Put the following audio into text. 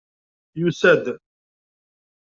Yusa-d?